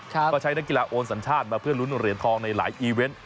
ก็ใช้นักกีฬาโอนสัญชาติมาเพื่อลุ้นเหรียญทองในหลายอีเวนต์